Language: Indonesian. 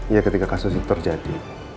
ya ketika kasus itu terjadi